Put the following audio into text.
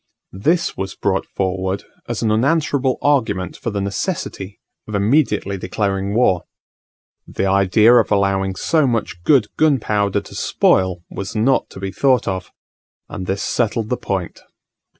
This was brought forward as an unanswerable argument for the necessity of immediately declaring war: the idea of allowing so much good gunpowder to spoil was not to be thought of; and this settled the point.